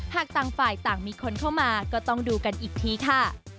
หากต่างฝ่ายต่างมีคนเข้ามาก็ต้องดูกันอีกทีค่ะ